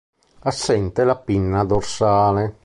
Assente la pinna dorsale.